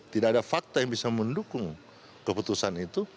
tidak ada fakta yang bisa mendukung keputusan itu